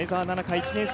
１年生